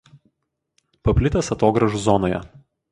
Paplitęs atogrąžų zonoje.